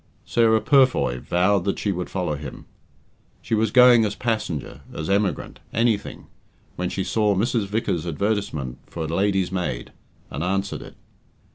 Sarah Purfoy vowed that she would follow him. She was going as passenger, as emigrant, anything, when she saw Mrs. Vickers's advertisement for a "lady's maid," and answered it.